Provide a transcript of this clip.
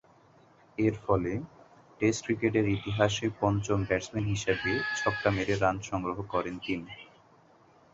এরফলে, টেস্ট ক্রিকেটের ইতিহাসে পঞ্চম ব্যাটসম্যান হিসেবে ছক্কা মেরে রান সংগ্রহ করেন তিনি।